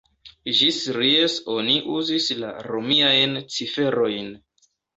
Ĝis Ries oni uzis la romiajn ciferojn.